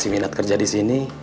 biar aku i